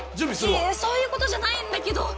いやいやそういうことじゃないんだけど。